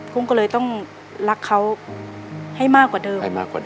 กุ้งก็เลยต้องรักเขาให้มากกว่าเดิม